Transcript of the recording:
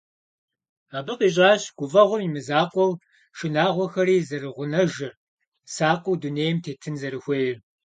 Абы къищӀащ гуфӀэгъуэм и мызакъуэу шынагъуэхэри зэрыгъунэжыр, сакъыу дунейм тетын зэрыхуейр.